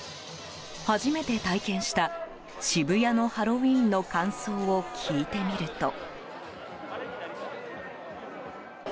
初めて体験した渋谷のハロウィーンの感想を聞いてみると。